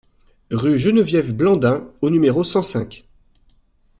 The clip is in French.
Rue Geneviève Blandin au numéro cent cinq